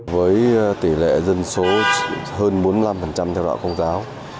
với tỷ lệ dân số hơn bốn mươi năm theo đạo công giáo